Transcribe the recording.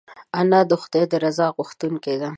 انا د خدای د رضا غوښتونکې ده